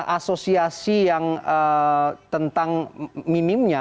asosiasi yang tentang minimnya